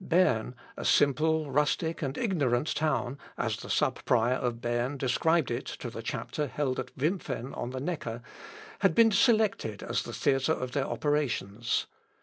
Berne, "a simple, rustic, and ignorant town," as the sub prior of Berne described it to the Chapter held at Wimpfen on the Necker, had been selected as the theatre of their operations.